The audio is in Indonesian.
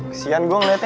kesian gue ngeliatnya